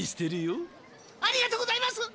ありがとうございます！